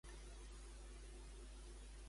On atresora els moments amb ell?